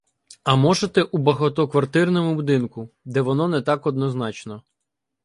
А можете — у багатоквартирному будинку, де воно не так однозначно